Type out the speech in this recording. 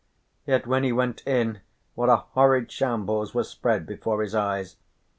Yet when he went in what a horrid shambles was spread before his eyes.